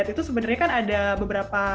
bisa lihat itu sebenarnya kan ada beberapa